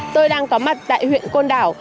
tôi đang có mặt tại huyện côn đảo